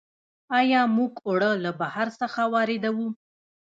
آیا موږ اوړه له بهر څخه واردوو؟